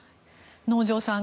能條さん